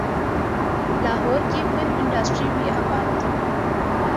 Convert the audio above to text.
لاہور کی film industry بھی آباد تھی۔